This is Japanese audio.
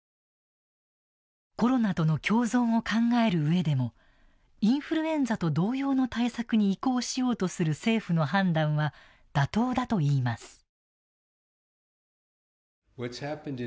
コロナとの共存を考えるうえでもインフルエンザと同様の対策に移行しようとする政府の判断は妥当だといいます。